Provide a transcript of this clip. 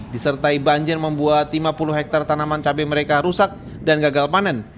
disertai banjir membuat lima puluh hektare tanaman cabai mereka rusak dan gagal panen